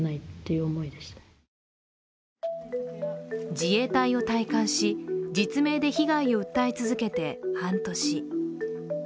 自衛隊を退官し実名で被害を訴え続けて半年。